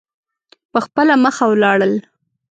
په خپله مخه ولاړل.